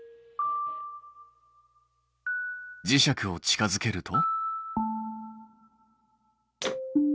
磁石を近づけると？